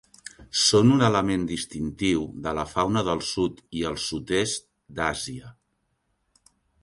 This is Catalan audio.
Són un element distintiu de la fauna del sud i el sud-est d'Àsia.